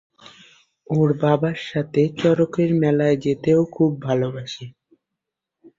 ওর বাবার সাথে চড়কের মেলায় যেতে ও খুব ভালোবাসে।